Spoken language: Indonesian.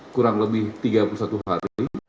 kurang lebih tiga puluh satu hari